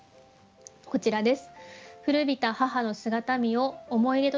こちらです。